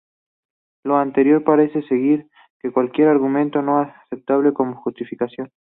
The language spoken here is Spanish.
Lo anterior parece sugerir que cualquier argumento es aceptable como justificación.